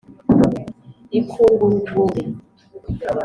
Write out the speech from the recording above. Ikwungura urwuri.